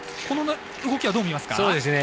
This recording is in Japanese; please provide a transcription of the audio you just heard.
この動きはどう見ますか？